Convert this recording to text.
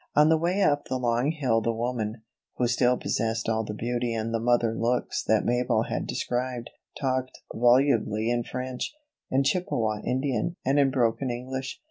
On the way up the long hill the woman, who still possessed all the beauty and the "mother looks" that Mabel had described, talked volubly in French, in Chippewa Indian and in broken English.